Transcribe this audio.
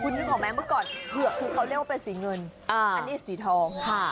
นึกออกไหมเมื่อก่อนเผือกคือเขาเรียกว่าเป็นสีเงินอันนี้สีทอง